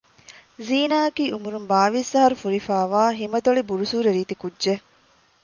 ޒީނާއަކީ އުމުރުން ބާވީސް އަހަރު ފުރިފައިވާ ހިމަތޮޅި ބުރުސޫރަ ރީތި ކުއްޖެއް